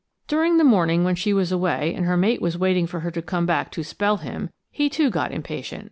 During the morning when she was away and her mate was waiting for her to come back to 'spell' him, he too got impatient.